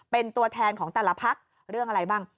เป็นตัวแทนของแต่ละพักเรื่องอะไรบ้าง